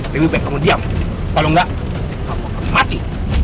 lebih baik kamu diam kalau nggak kamu akan mati